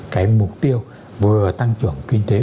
cái mục tiêu vừa tăng trưởng kinh tế